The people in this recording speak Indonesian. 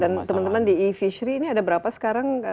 dan teman teman di efishery ini ada berapa sekarang